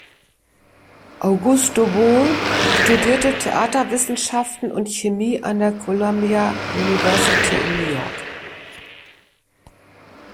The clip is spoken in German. Augusto Boal studierte Theaterwissenschaften und Chemie an der Columbia University in New York.